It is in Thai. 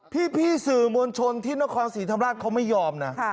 พี่สื่อมวลชนที่นครศรีธรรมราชเขาไม่ยอมนะ